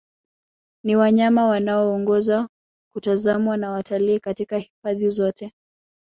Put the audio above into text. Ni wanyama wanaoongoza kutazamwa na watalii katika hifadhi zote